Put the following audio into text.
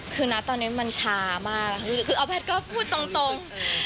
คือนะตอนนี้มันช้ามากคือเอาแพทย์ก็พูดตรง